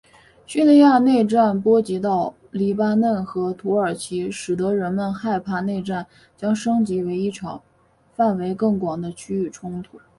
叙利亚内战波及到黎巴嫩和土耳其使得人们害怕内战将升级为一场范围更广的区域冲突。